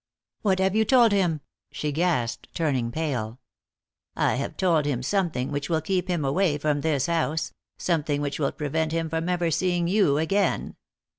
"What have you told him?" she gasped, turning pale. "I have told him something which will keep him away from this house something which will prevent him from ever seeing you again."